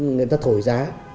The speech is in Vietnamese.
người ta thổi giá